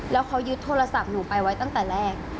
แล้วเขายึดโทรศัพท์หนูไปไว้ตั้งแต่แรก